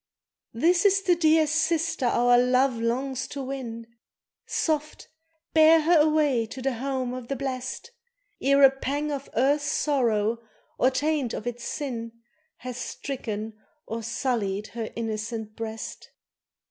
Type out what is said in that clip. "This is the dear sister our love longs to win, Soft! bear her away to the home of the blest, Ere a pang of earth's sorrow, or taint of its sin, Hath stricken or sullied her innocent breast."